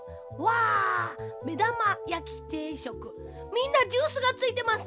みんなジュースがついてます。